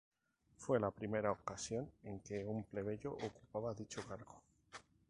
Fue la primera ocasión en que un plebeyo ocupaba dicho cargo.